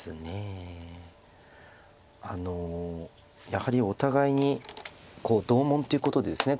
やはりお互いに同門ということでですね